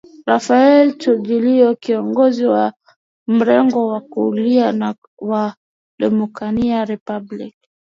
Rafael Trujillo kiongozi wa mrengo wa kulia wa Dominican Republic